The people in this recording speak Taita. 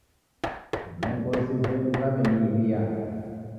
Vilongozi vedu vaw'ediiw'ia.